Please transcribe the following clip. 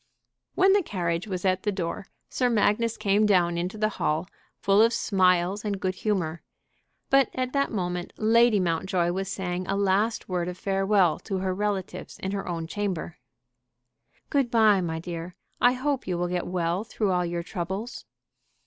When the carriage was at the door Sir Magnus came down into the hall, full of smiles and good humor; but at that moment Lady Mountjoy was saying a last word of farewell to her relatives in her own chamber. "Good bye, my dear; I hope you will get well through all your troubles."